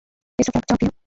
Best of luck, যাও প্রিয়া।